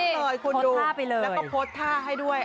เผ็ดลอยคุณดูแล้วก็พดท่าให้ด้วย